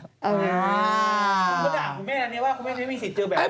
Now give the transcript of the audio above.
ว้ายทำไมเอ๋คงไม่มีสิทธิบายแบบนี้